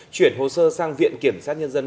chuyển hồ sơ sang viện kiểm sát nhân dân